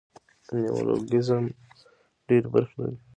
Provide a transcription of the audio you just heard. نیولوګیزم ډېري برخي لري.